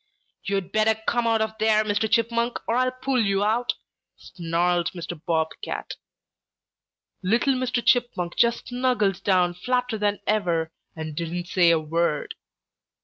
"'You'd better come out of there, Mr. Chipmunk, or I'll pull you out!' snarled Mr. Bob Cat. "Little Mr. Chipmunk just snuggled down flatter than ever and didn't say a word.